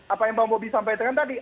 apa yang bang bobi sampaikan tadi